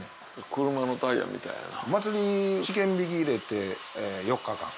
車のタイヤみたいやな。